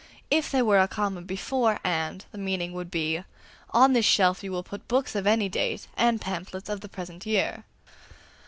If there were a comma before "and," the meaning would be: "On this shelf you will put books of any date, and pamphlets of the present year."